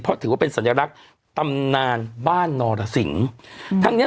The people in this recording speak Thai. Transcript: เพราะถือว่าเป็นสัญลักษณ์ตำนานบ้านนรสิงทั้งเนี้ย